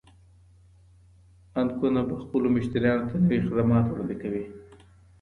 بانکونه به خپلو مشتريانو ته نوي خدمات وړاندي کوي.